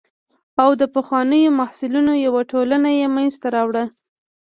او د پخوانیو محصلینو یوه ټولنه یې منځته راوړه.